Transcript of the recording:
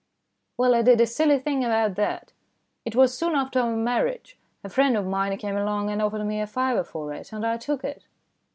"Well, I did a silly thing about that. It was soon after our marriage. A friend of mine came along and offered me a fiver for it, and I took it."